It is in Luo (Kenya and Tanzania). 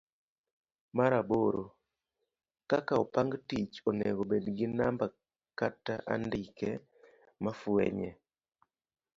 mar aboro. kaka opang tich onego obed gi namba kata andike ma fwenye.